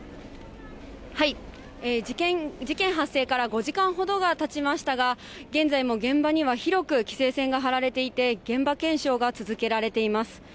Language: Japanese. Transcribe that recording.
事件発生から５時間ほどがたちましたが、現在も現場には広く規制線が張られていて、現場検証が続けられています。